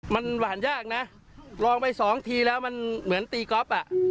มันหวานยากนะลองไปสองทีแล้วมันเหมือนตีก๊อฟอ่ะ